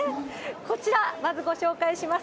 こちら、まずご紹介します。